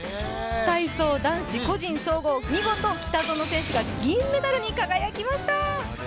体操男子個人総合、見事、北園選手が銀メダルに輝きました。